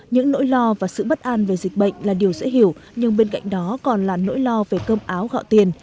những nỗi lo và sự bất an về dịch bệnh là điều dễ hiểu nhưng bên cạnh đó còn là nỗi lo về cơm áo gạo tiền